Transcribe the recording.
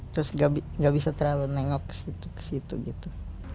terus nggak bisa terlalu nengok ke situ ke situ gitu